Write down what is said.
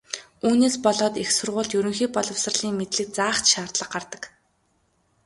Үүнээс болоод их сургуульд ерөнхий боловсролын мэдлэг заах ч шаардлага гардаг.